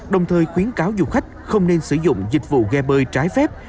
đồng thời khuyến cáo du khách không nên sử dụng dịch vụ ghe bơi trái phép